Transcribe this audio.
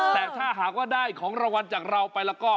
แต่ถ้าหากว่าได้ของรางวัลจากเราไปแล้วก็